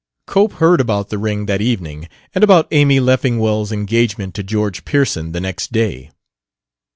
Cope heard about the ring that evening, and about Amy Leffingwell's engagement to George Pearson the next day.